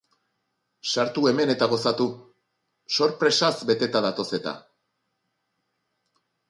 Sartu hemen eta gozatu, sorpresaz beteta datoz eta!